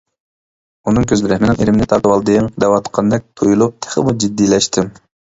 ئۇنىڭ كۆزلىرى ‹مىنىڭ ئىرىمنى تارتىۋالدىڭ› دەۋاتقاندەك تۇيۇلۇپ تېخىمۇ جىددىيلەشتىم.